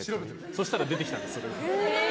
そしたら出てきたんですけど。